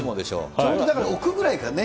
ちょうどだから、置くぐらいかね。